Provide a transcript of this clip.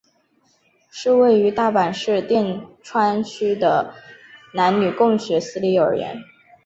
是位于大阪市淀川区的男女共学私立幼儿园。